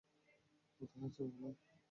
কোথায় আছে বল।